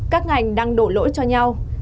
các ngành đang đổ lỗi cho nhau